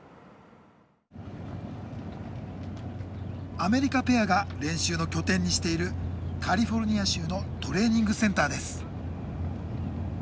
アメリカペアが練習の拠点にしているカリフォルニア州のトレーニングセンターです。